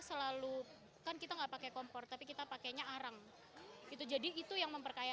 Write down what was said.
selalu kan kita enggak pakai kompor tapi kita pakainya arang itu jadi itu yang memperkaya